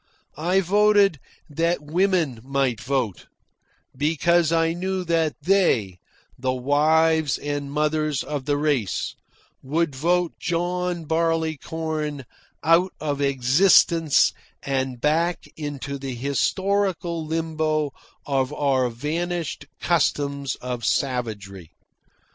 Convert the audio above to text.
I voted that women might vote, because I knew that they, the wives and mothers of the race, would vote John Barleycorn out of existence and back into the historical limbo of our vanished customs of savagery.